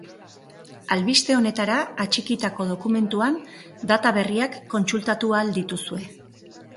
Albiste honetara atxikitako dokumentuan data berriak kontsultatu ahal dituzue.